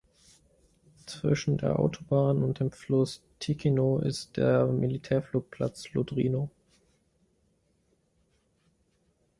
Zwischen der Autobahn und dem Fluss Ticino ist der Militärflugplatz Lodrino.